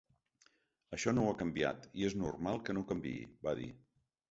Això no ha canviat, i és normal que no canviï, va dir.